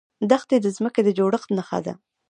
دښتې د ځمکې د جوړښت نښه ده.